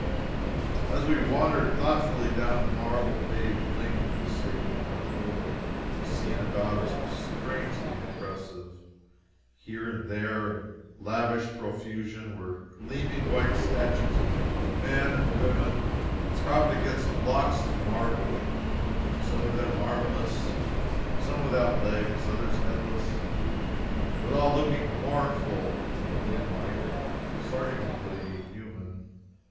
As we wandered thoughtfully down the marble paved length of this stately temple, the scene about us was strangely impressive. Here and there, in lavish profusion, were gleaming white statues of men and women, propped against blocks of marble, some of them armless, some without legs, others headless but all looking mournful in the moonlight, and startlingly human!